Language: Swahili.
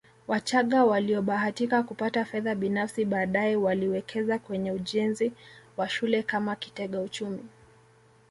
Wachagga waliobahatika kupata fedha binafsi baadaye waliwekeza kwenye ujenzi wa shule kama kitega uchumi